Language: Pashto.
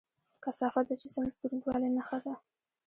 کثافت د جسم د دروندوالي نښه ده.